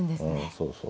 そうそう。